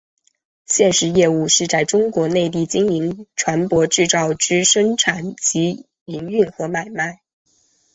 现时业务是在中国内地经营船舶制造之生产及营运和买卖。